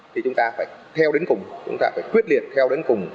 thì chúng ta phải theo đến cùng chúng ta phải quyết liệt theo đến cùng